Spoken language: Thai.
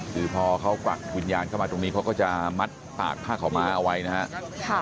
คือพอเขากวักวิญญาณเข้ามาตรงนี้เขาก็จะมัดปากผ้าขาวม้าเอาไว้นะครับ